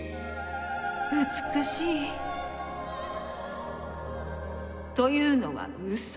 美しい。というのはウソ。